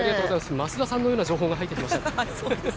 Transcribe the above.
増田さんのような情報が入ってきました。